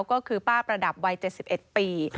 ก็คือป้าประดับวัย๗๑ปี